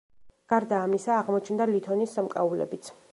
გარდა ამისა აღმოჩნდა ლითონის სამკაულებიც.